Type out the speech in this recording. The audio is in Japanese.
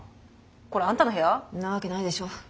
これあんたの部屋？んなわけないでしょ。